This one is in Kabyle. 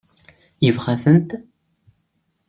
Yebɣa-tent?